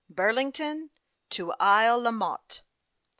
BURLINGTON TO ISLE LA MOTTE.